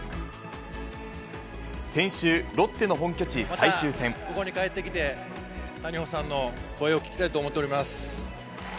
先週、またここに帰ってきて、谷保さんの声を聞きたいと思っております。